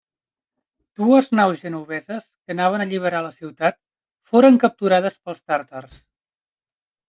Dues naus genoveses que anaven a alliberar la ciutat foren capturades pels tàtars.